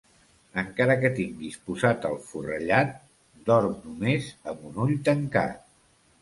Encara que tinguis posat el forrellat, dorm només amb un ull tancat.